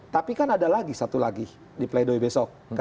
tapi kan ada lagi satu lagi di play doh besok